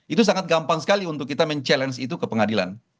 itu sangat gampang sekali untuk kita mencabar itu ke pengadilan